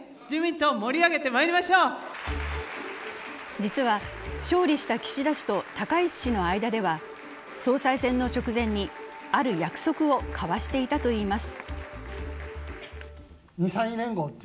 実は、勝利した岸田氏と高市氏の間には総裁選の直前に、ある約束を交わしていたといいます。